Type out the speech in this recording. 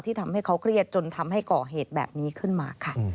ทำให้เขาเครียดจนทำให้ก่อเหตุแบบนี้ขึ้นมาค่ะ